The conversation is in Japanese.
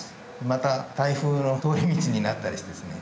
また台風の通り道になったりしてですね